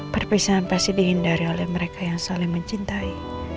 perpisahan pasti dihindari oleh mereka yang saling mencintai